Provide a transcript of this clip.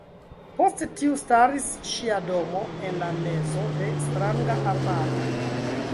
Post tiu staris ŝia domo en la mezo de stranga arbaro.